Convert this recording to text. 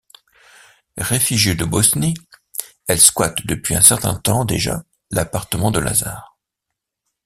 Réfugiées de Bosnie, elles squattent depuis un certain temps déjà l'appartement de Lazare.